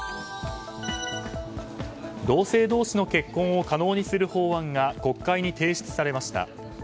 同性同士の結婚を可能にする法案が国会に提出されました。